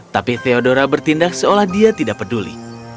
tapi theodora bertindak seolah dia tidak peduli